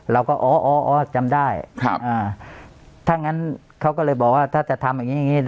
เราก็อ๋ออ๋อจำได้ถ้างั้นเขาก็เลยบอกว่าถ้าจะทำอย่างนี้อย่างนี้